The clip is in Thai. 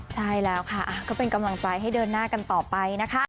ใช่แล้วค่ะก็เป็นกำลังใจให้เดินหน้ากันต่อไปนะคะ